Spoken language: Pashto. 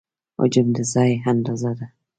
حجم د ځای اندازه ده.